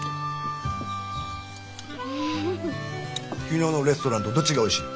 昨日のレストランとどっちがおいしい？